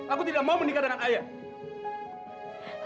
aku tidak mau menikah dengan ayah